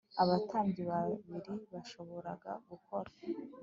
abatambyi ba Bali bashoboraga gukora